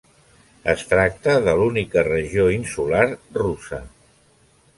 Es tracta de l'única regió insular russa.